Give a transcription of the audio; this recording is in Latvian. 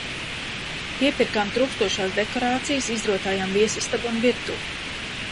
Piepirkām trūkstošās dekorācijas, izrotājām viesistabu un virtuvi.